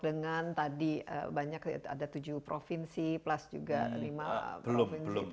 dengan tadi banyak ada tujuh provinsi plus juga lima provinsi